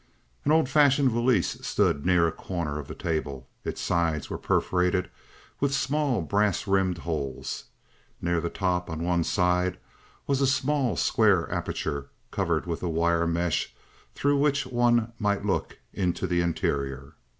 An old fashioned valise stood near a corner of the table. Its sides were perforated with small brass rimmed holes; near the top on one side was a small square aperture covered with a wire mesh through which one might look into the interior.